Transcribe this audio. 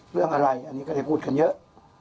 เรื่องอะไรอันนี้ก็ได้พูดกันเยอะ